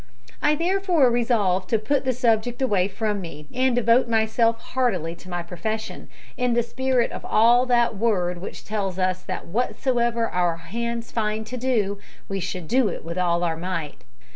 I therefore resolved to put the subject away from me, and devote myself heartily to my profession, in the spirit of that Word which tells us that whatsoever our hands find to do we should do it with our might.